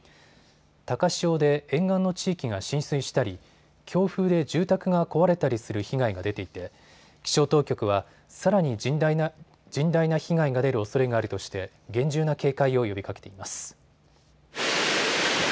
高潮で沿岸の地域が浸水したり、強風で住宅が壊れたりする被害が出ていて気象当局はさらに甚大な被害が出るおそれがあるとして厳重な警戒を呼びかけています。